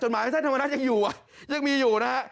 จดหมายให้ท่านธรรมนัสอยู่อ่ะยังมีอยู่นะครับ